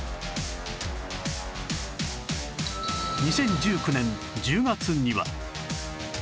２０１９年１０月には